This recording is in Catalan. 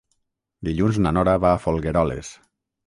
Dilluns na Nora va a Folgueroles.